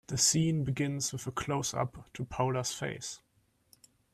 The scene begins with a closeup to Paula's face.